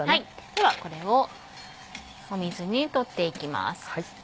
ではこれを水に取っていきます。